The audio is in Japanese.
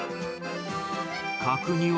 角煮は？